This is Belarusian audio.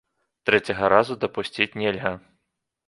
Трэцяга разу дапусціць нельга.